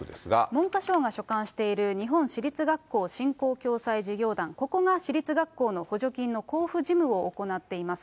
文科省が所管している日本私立学校振興・共済事業団、ここが私立学校の補助金の交付事務を行っています。